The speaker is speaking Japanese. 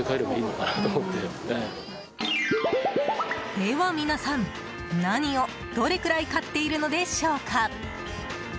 では、皆さん何をどれくらい買っているのでしょうか？